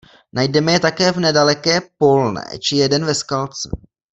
Najdeme je také v nedaleké Polné či jeden ve Skalce.